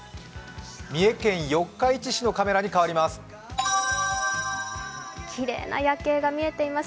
三重県四日市市のカメラに代わります。